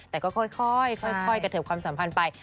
แต่ก็ค่อยกระเทิบความสัมพันธ์ไป